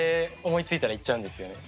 思いついたら言っちゃうんですよね。